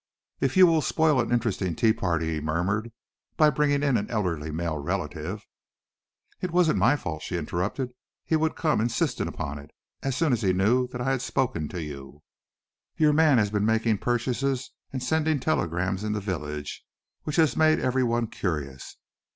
"If you will spoil an interesting tea party," he murmured, "by bringing in an elderly male relative, " "It wasn't my fault," she interrupted. "He would come insisted upon it as soon as he knew that I had spoken to you. Your man has been making purchases and sending telegrams in the village, which has made every one curious.